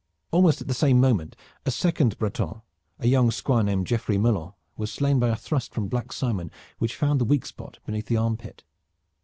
Almost at the same moment a second Breton, a young Squire named Geoffrey Mellon, was slain by a thrust from Black Simon which found the weak spot beneath the armpit.